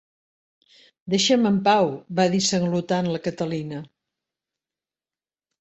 "Deixa'm en pau", va dir sanglotant la Catalina.